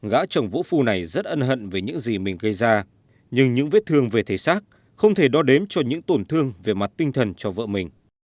gã chồng vũ phu này rất ân hận về những gì mình gây ra nhưng những vết thương về thể xác không thể đo đếm cho những tổn thương về mặt tinh thần cho vợ mình